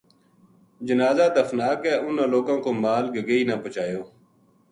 جنازہ دفنا کے اُناں لوکاں کو مال گگئی نا پہچایو